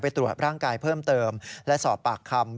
ตรวจร่างกายเพิ่มเติมและสอบปากคำ